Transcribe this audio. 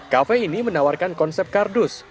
kafe ini menawarkan konsep kardus